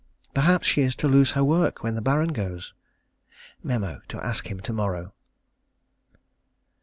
Perhaps she is to lose her work when the Baron goes. Mem.: To ask him to morrow.